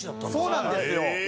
そうなんですよ。